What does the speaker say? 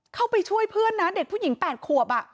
เข้าไปช่วยเพื่อนนะเด็กผู้หญิง๘ขวบ